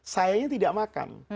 sayangnya tidak makan